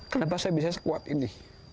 kenapa saya bisa sekuat ini